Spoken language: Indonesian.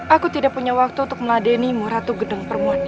aku tidak punya waktu untuk meladeni muratu gedung permuannya